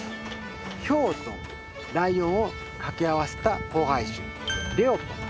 ヒョウとライオンを掛け合わせた交配種レオポン。